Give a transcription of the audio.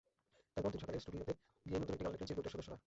তাই পরদিন সকালে স্টুডিওতে গিয়েই নতুন একটি গান লেখেন চিরকুটের সদস্যরা।